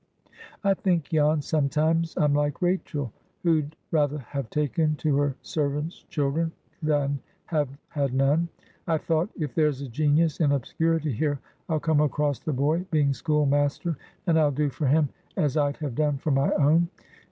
"I think, Jan, sometimes, I'm like Rachel, who'd rather have taken to her servant's children than have had none. I thought, 'If there's a genius in obscurity here, I'll come across the boy, being schoolmaster, and I'll do for him as I'd have done for my own.